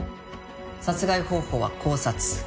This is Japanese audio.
殺害方法は絞殺。